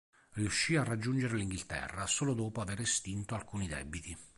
Riuscì a raggiungere l'Inghilterra solo dopo aver estinto alcuni debiti.